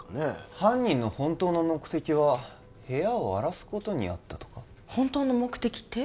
犯人の本当の目的は部屋を荒らすことにあったとか本当の目的って？